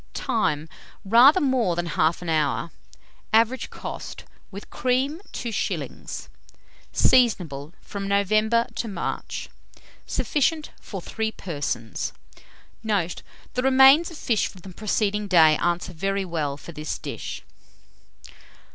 Time. Rather more than 1/2 hour. Average cost, with cream, 2s. Seasonable from November to March. Sufficient for 3 persons. Note. The remains of fish from the preceding day answer very well for this dish.